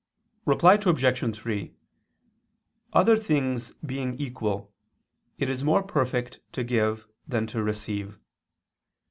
Reply Obj. 3: Other things being equal, it is more perfect to give than to receive.